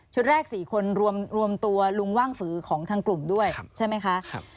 แรก๔คนรวมตัวลุงว่างฝือของทางกลุ่มด้วยใช่ไหมคะ